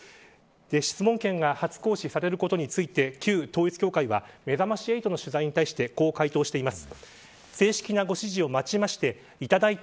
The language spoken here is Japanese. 質問権が初行使されることについて旧統一教会は、めざまし８の取材に対してこう回答しています。